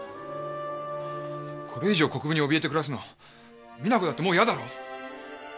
これ以上国府に脅えて暮らすの実那子だってもう嫌だろ？